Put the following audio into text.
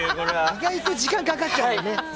意外と時間かかっちゃうよね。